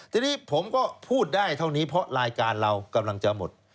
ทีนี้ผมก็พูดได้เท่านี้เพราะรายการเรากำลังจะหมด